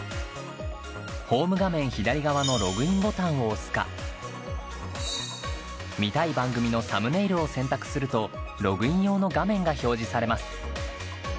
ホーム画面左側のログインボタンを押すか見たい番組のサムネイルを選択するとログイン用の画面が表示されます。